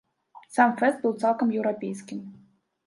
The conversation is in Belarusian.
Сам фэст быў цалкам еўрапейскім.